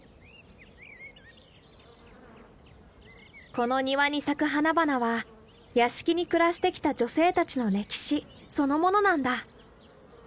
この庭に咲く花々は屋敷に暮らしてきた女性たちの歴史そのものなんだ。